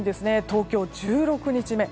東京は１６日目。